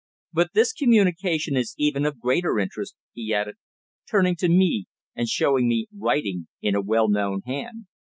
"But this communication is even of greater interest," he added, turning to me and showing me writing in a well known hand.